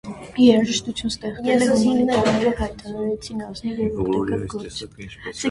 Երաժշտություն ստեղծելը հումանիստները հայտարարեցին ազնիվ և օգտակար գործ։